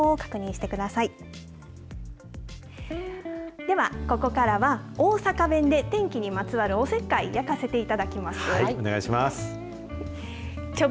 ではここからは、大阪弁で天気にまつわるおせっかい、お願いします。